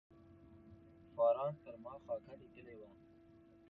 فاران پر ما خاکه لیکلې وه.